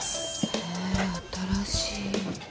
へぇ新しい。